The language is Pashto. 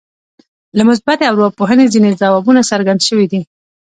له مثبتې ارواپوهنې ځينې ځوابونه څرګند شوي دي.